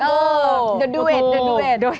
เออดูเอ็ด